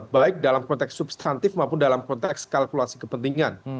baik dalam konteks substantif maupun dalam konteks kalkulasi kepentingan